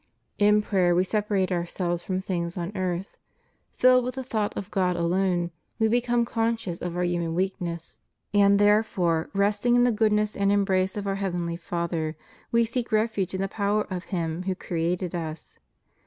In prayer we separate ourselves from things of earth ; filled with the thought of God alone, we become conscious of our human weakness; and there fore, resting in the goodness and embrace of our Heavenly Father, we seek refuge in the power of Him who created us.